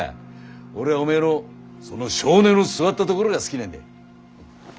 俺はおめえのその性根の据わったところが好きなんだ。